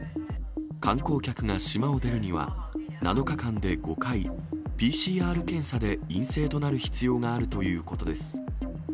観光客が島を出るには、７日間で５回、ＰＣＲ検査で陰性となる必要があるということです。